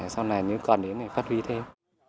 sau này còn đến thì phát huy thêm